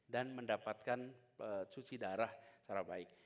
dan mendapatkan cuci darah secara baik